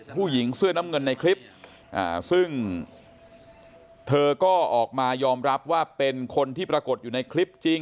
ผู้หญิงเสื้อน้ำเงินในคลิปซึ่งเธอก็ออกมายอมรับว่าเป็นคนที่ปรากฏอยู่ในคลิปจริง